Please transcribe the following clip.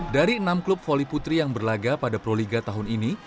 dari enam klub voli putri yang berlaga pada proliga tahun ini